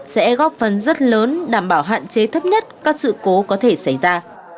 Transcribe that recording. sẽ góp phần rất lớn đảm bảo hạn chế thấp nhất các sự cố có thể xảy ra